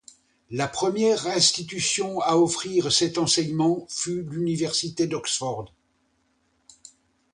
La première institution à offrir cet enseignement fut l'université d'Oxford.